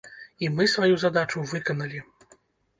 І мы сваю задачу выканалі.